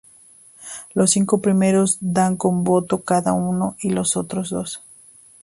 Los cinco primeros dan un voto cada uno, y los otros dos.